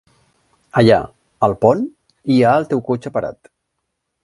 Allà, al pont, hi ha el teu cotxe parat.